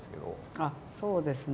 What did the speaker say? あそうですね